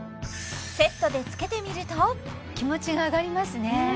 セットで着けてみると気持ちが上がりますね